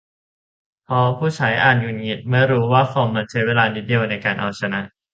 เพราะผู้ใช้อาจหงุดหงิดเมื่อรู้ว่าคอมมันใช้เวลานิดเดียวในการเอาชนะ